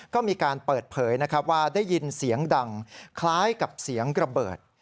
ก็มีการเปิดเผยนะครับว่าได้ยินเสียงดังคล้ายกับเสียงระเบิด